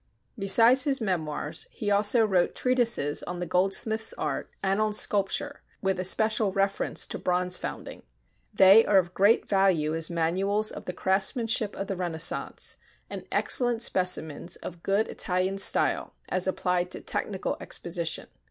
Besides his 'Memoirs' he also wrote treatises on the goldsmith's art and on sculpture, with especial reference to bronze founding. They are of great value as manuals of the craftsmanship of the Renaissance, and excellent specimens of good Italian style as applied to technical exposition.